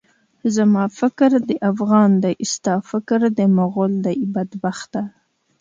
زما فکر د افغان دی، ستا فکر د مُغل دی، بدبخته!